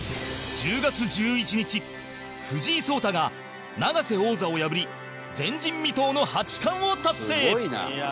１０月１１日藤井聡太が、永瀬王座を破り前人未到の八冠を達成！